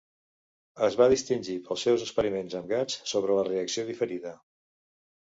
Es va distingir pels seus experiments amb gats sobre la reacció diferida.